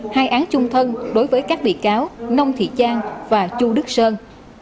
hai án chung thân đối với các bị cáo nông thị trang và chu đức sơn